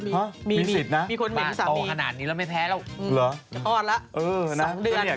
เออมีสิทธิ์นะต่อขนาดนี้แล้วไม่แพ้แล้วจะอ้อนแล้ว๒เดือน